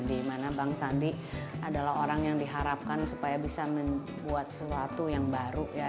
dimana bang sandi adalah orang yang diharapkan supaya bisa membuat sesuatu yang baru ya